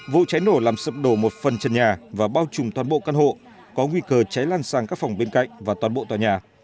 vụ cháy nổ làm sập đổ một phần trần nhà và bao trùm toàn bộ căn hộ có nguy cơ cháy lan sang các phòng bên cạnh và toàn bộ tòa nhà